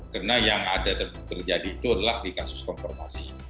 karena yang ada terjadi itu adalah di kasus konformasi